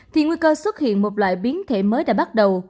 thì nguy cơ xuất hiện một loại biến thể mới đã bắt đầu